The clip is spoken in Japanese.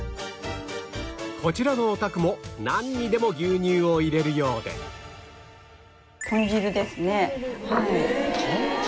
こちらのお宅もなんにでも牛乳を入れるようで豚汁？豚汁？